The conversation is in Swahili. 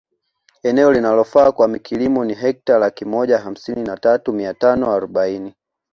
Eneo linalofaa kwa kilimo ni hekta laki moja hamsini na tatu mia tano arobaini